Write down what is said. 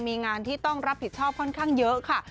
มีงานที่ต้องรับผิดชอบค่อนข้างเยอะค่ะ